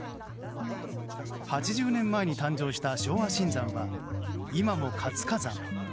８０年前に誕生した昭和新山は今も活火山。